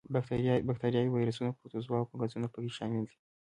با کتریاوې، ویروسونه، پروتوزوا او فنګسونه په کې شامل دي.